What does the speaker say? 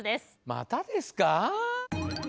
またですか？